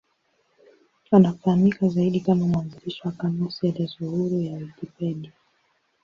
Anafahamika zaidi kama mwanzilishi wa kamusi elezo huru ya Wikipedia.